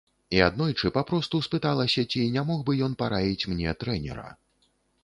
І аднойчы папросту спыталася, ці не мог бы ён параіць мне трэнера.